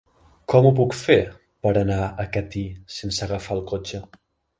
Com ho puc fer per anar a Catí sense agafar el cotxe?